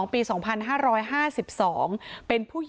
มีคนจมน้ำเสียชีวิต๔ศพแล้วเนี่ย